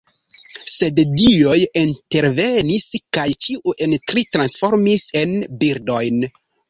Sed dioj intervenis kaj ĉiujn tri transformis en birdojn.